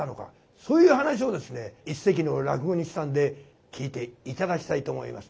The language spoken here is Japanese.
そういう噺をですね一席の落語にしたんで聴いて頂きたいと思います。